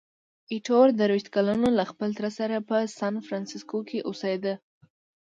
ایټور درویشت کلن وو، له خپل تره سره په سانفرانسیسکو کې اوسېده.